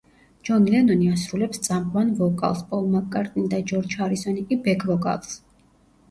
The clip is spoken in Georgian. ჯონ ლენონი ასრულებს წამყვან ვოკალს, პოლ მაკ-კარტნი და ჯორჯ ჰარისონი კი ბეკ-ვოკალს.